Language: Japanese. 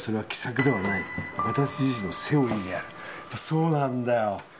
そうなんだよ。